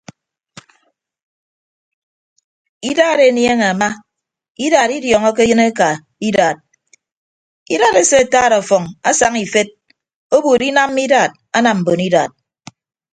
Idaat enieñe ama idaat idiọọñọke eyịn eka idaat idaat esee ataat ọfọñ asaña ifet obuut inamma idaat anam mbon idaat.